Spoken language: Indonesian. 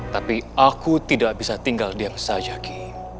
tapi aku tidak bisa tinggal diam saja ki